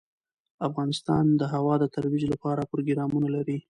افغانستان د هوا د ترویج لپاره پروګرامونه لري.